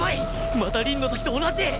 また凛の時と同じ